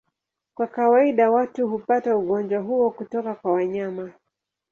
Kwa kawaida watu hupata ugonjwa huo kutoka kwa wanyama.